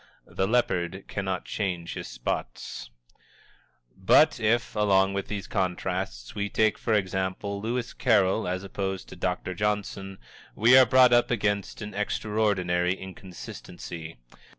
The leopard cannot change his spots. But if, along with these contrasts, we take, for example, Lewis Carroll as opposed to Dr. Johnson, we are brought up against an extraordinary inconsistency.